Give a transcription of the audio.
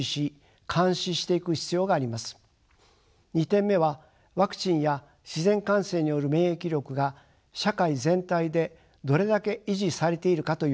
２点目はワクチンや自然感染による免疫力が社会全体でどれだけ維持されているかという点です。